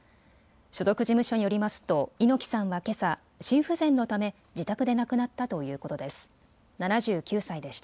所属事務所によりますと猪木さんはけさ、心不全のため自宅で亡くなったということです。